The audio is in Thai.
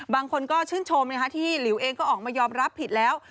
บางคนก็ชื่นชมที่หลิวเองก็ออกมายอมรับผิดแล้ว